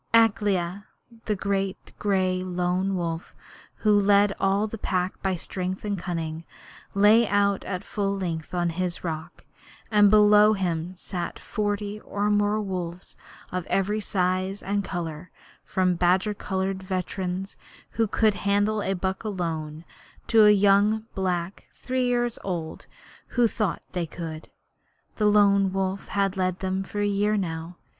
Akela, the great gray Lone Wolf, who led all the Pack by strength and cunning, lay out at full length on his rock, and below him sat forty or more wolves of every size and colour, from badger coloured veterans who could handle a buck alone, to young black three year olds who thought they could. The Lone Wolf had led them for a year now.